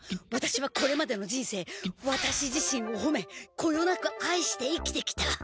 ワタシはこれまでの人生ワタシ自身をほめこよなくあいして生きてきた。